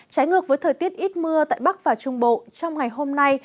trái ngược với thời tiết ít mưa tại bắc và trung bộ trong ngày hôm nay